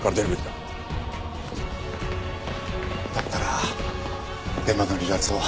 だったら現場からの離脱を。